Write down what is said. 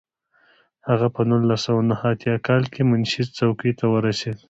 هغه په نولس سوه نهه اتیا کال کې منشي څوکۍ ته ورسېد.